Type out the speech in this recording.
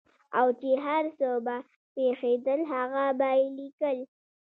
او چې هر څه به پېښېدل هغه به یې لیکل.